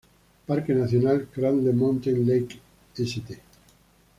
Parque nacional Cradle Mountain-Lake St.